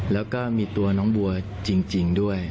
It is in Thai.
แล้วก็มีตัวน้องบัวจริงด้วย